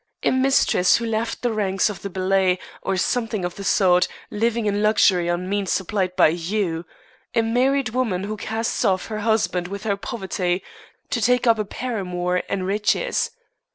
A mistress who left the ranks of the ballet, or something of the sort, living in luxury on means supplied by you! A married woman who casts off her husband with her poverty, to take up a paramour and riches!